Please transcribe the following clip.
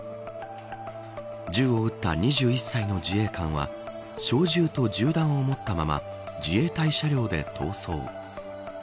銃を撃った２１歳の自衛官は小銃と銃弾を持ったまま自衛隊車両で逃走。